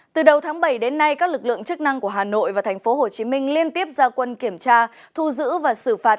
từ đầu tháng bảy đến nay các lực lượng chức năng của hà nội và tp hcm liên tiếp ra quân kiểm tra thu giữ và xử phạt